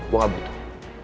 gue gak butuh